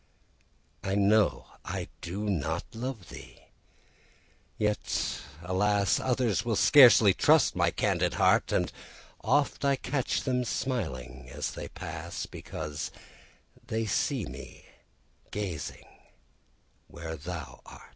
I know I do not love thee! yet, alas! Others will scarcely trust my candid heart; And oft I catch them smiling as they pass, Because they see me